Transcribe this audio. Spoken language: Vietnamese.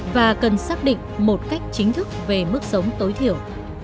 và cần xác định một cách chính thức về mức sống tối thiểu